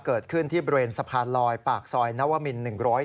เกิดขึ้นที่บริเวณสะพานลอยปากซอยนวมิน๑๐